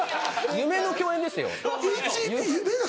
夢の共演ですよ。